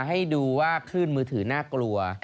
ให้ดูว่าคลื่นมือถือน่ากลัว